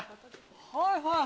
はいはい！